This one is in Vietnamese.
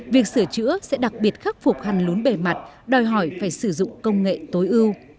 việc sửa chữa sẽ đặc biệt khắc phục hằn lún bề mặt đòi hỏi phải sử dụng công nghệ tối ưu